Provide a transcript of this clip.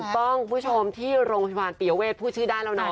ถูกต้องคุณผู้ชมที่โรงพยาบาลเตี๋ยวเวทพูดชื่อได้แล้วเนาะ